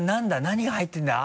何が入ってるんだ？